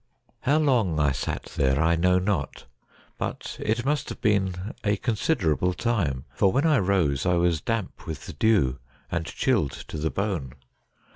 How long I sat there I know not, but it must have been a considerable time, for when I rose I was damp with the dew, and chilled to the bone.